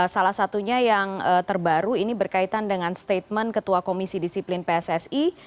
salah satunya yang terbaru ini berkaitan dengan statement ketua komisi disiplin pssi